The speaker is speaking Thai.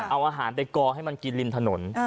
เอาอาหารไปกอให้มันกินริมถนน